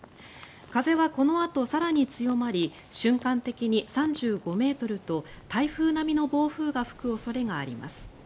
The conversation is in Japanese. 風はこのあと更に強まり瞬間的に３５ｍと台風並みの暴風が吹く恐れがあります。